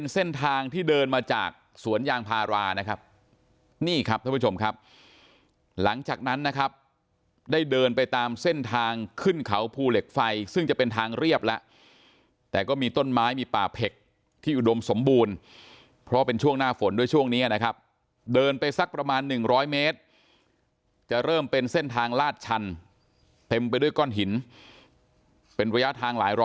เส้นทางที่เดินมาจากสวนยางพารานะครับนี่ครับท่านผู้ชมครับหลังจากนั้นนะครับได้เดินไปตามเส้นทางขึ้นเขาภูเหล็กไฟซึ่งจะเป็นทางเรียบแล้วแต่ก็มีต้นไม้มีป่าเผ็กที่อุดมสมบูรณ์เพราะเป็นช่วงหน้าฝนด้วยช่วงนี้นะครับเดินไปสักประมาณ๑๐๐เมตรจะเริ่มเป็นเส้นทางลาดชันเต็มไปด้วยก้อนหินเป็นระยะทางหลายร